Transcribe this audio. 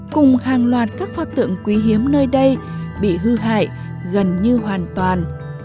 cùng hàng loạt các pho tượng quý hiếm nơi đây bị hư hại gần như hoàn toàn